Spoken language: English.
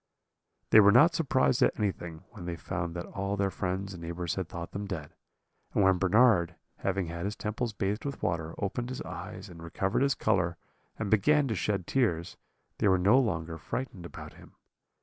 "They were not surprised at anything, when they found that all their friends and neighbours had thought them dead; and when Bernard, having had his temples bathed with water, opened his eyes and recovered his colour, and began to shed tears, they were no longer frightened about him.